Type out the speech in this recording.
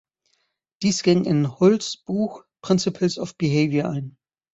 Dies ging in Hulls Buch "Principles of Behavior" ein.